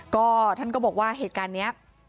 ก็ท่านก็บอกว่าเหตุการณ์นี้